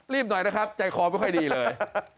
หน่อยนะครับใจคอไม่ค่อยดีเลย